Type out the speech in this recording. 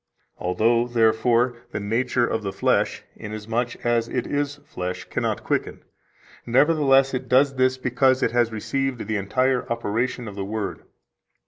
Although, therefore, the nature of the flesh, inasmuch as it is flesh, cannot quicken, nevertheless it does this because it has received the entire operation of the Word.